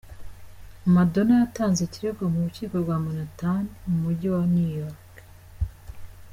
Madonna yatanze ikirego mu rukiko rwa Manhattan mu Mujyi wa New York.